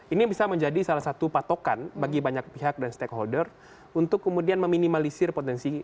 ini bisa menjadi salah satu patokan bagi banyak pihak dan stakeholder untuk kemudian meminimalisir potensi